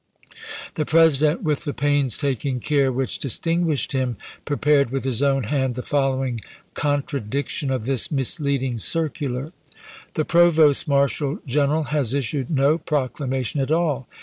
The President, with the painstaking care which distinguished him, prepared with his own hand the following contradiction of this misleading circular : The Provost Marshal General has issued no proclama tion at all.